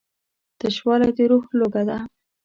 تشوالی د روح لوږه ده.